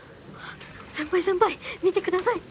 先輩先輩見てください。